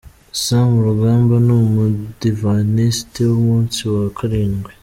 Sam Rugamba ni umudivantisti w’umunsi wa Karindwi .